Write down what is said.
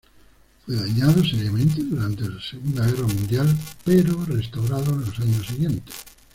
Fue dañado seriamente durante la Segunda Guerra Mundial pero restaurado en los años siguientes.